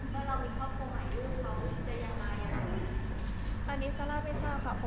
แล้วที่ผ่านมาซาร่าเองทราบปัญหาไหม